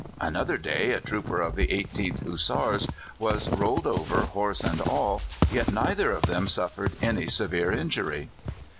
Another day a trooper of the 18th Hussars was rolled over, horse and all, yet neither of them suffered any severe injury.